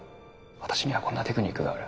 「私にはこんなテクニックがある」